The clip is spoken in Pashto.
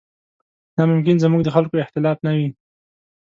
دا ممکن زموږ د خلکو اختلاف نه وي.